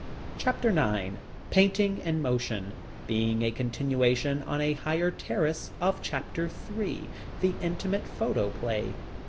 Chapter IX Painting in Motion, being a continuation on a higher terrace of chapter three, The Intimate Photoplay.